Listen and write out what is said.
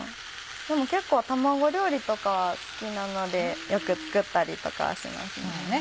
でも結構卵料理とかは好きなのでよく作ったりとかはしますね。